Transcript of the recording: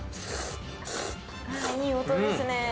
いい音ですね。